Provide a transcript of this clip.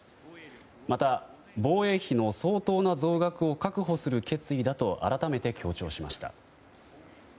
また、防衛費の相当な増額を確保する決意だと改めて強調しました。